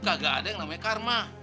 kagak ada yang namanya karma